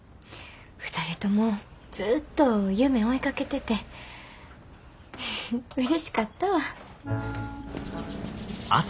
２人ともずっと夢追いかけててうれしかったわ。